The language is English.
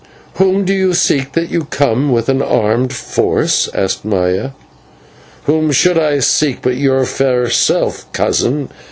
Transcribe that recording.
"Whom do you seek, that you come with an armed force?" asked Maya. "Whom should I seek but your fair self, cousin?"